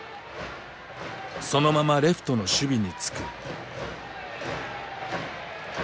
そのままレフトの守備につく。